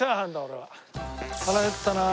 腹減ったな。